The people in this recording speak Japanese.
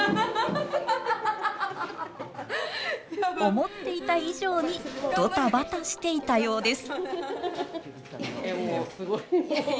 思っていた以上にドタバタしていたようです。